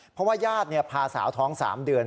เพราะว่าญาติพาสาวท้อง๓เดือน